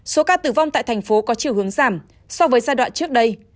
số ca tử vong tại thành phố có chiều hướng giảm so với giai đoạn trước đây